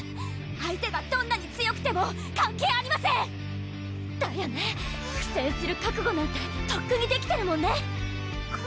相手がどんなに強くても関係ありませんだよね苦戦する覚悟なんてとっくにできてるもんね